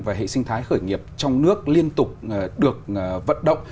và hệ sinh thái khởi nghiệp trong nước liên tục được vận động